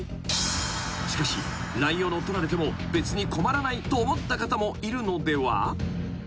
［しかしＬＩＮＥを乗っ取られても別に困らないと思った方もいるのでは？］